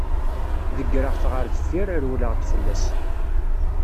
Deggreɣ-t ɣer deffir, rewleɣ-d fell-as.